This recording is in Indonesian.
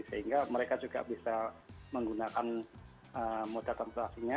sehingga mereka juga bisa menggunakan moda transportasinya